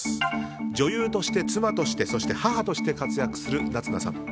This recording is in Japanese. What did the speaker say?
女優として妻としてそして母として活躍する夏菜さん。